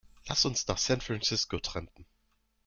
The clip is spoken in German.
Lass uns nach San Francisco trampen!